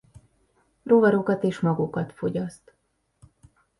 Rovarokat és magokat fogyaszt.